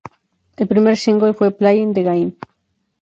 El primer single fue "Playing the Game".